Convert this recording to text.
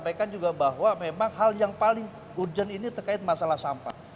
saya sampaikan juga bahwa memang hal yang paling urgent ini terkait masalah sampah